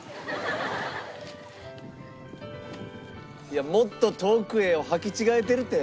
いや「もっと遠くへ」を履き違えてるって。